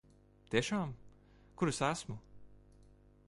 Tiešām? Kur es esmu?